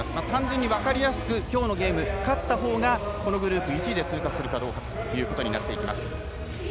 単純に分かりやすくきょうのゲーム勝ったほうがこのグループ１位で通過するかどうかとなっていきます。